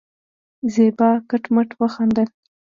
زېبا کټ کټ وخندل.